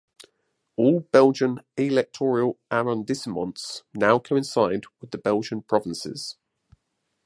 All Belgian electoral arrondissements now coincide with the Belgian provinces.